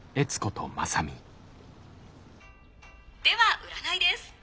「では占いです。